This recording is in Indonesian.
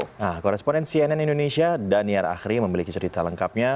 nah koresponen cnn indonesia daniel akhri memiliki cerita lengkapnya